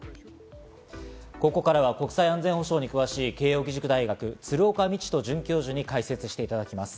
ここからは国際安全保障に詳しい慶應義塾大学・鶴岡路人准教授に解説していただきます。